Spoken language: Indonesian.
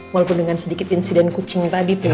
walaupun dengan sedikit insiden kucing tadi tuh ya